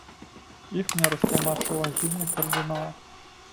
Іх мне растлумачыў агідны кардынал.